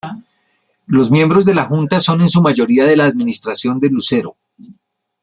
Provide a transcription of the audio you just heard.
Los miembros de la Junta son en su mayoría de la administración de Lucero.